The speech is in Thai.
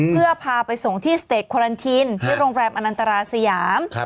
เพื่อพาไปส่งที่สเตจควารันทินที่โรงแรมอนันตราสยาม